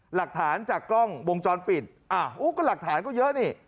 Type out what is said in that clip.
หลักฐานจากกล้องวงจรปิดอ้าวก็หลักฐานก็เยอะนี่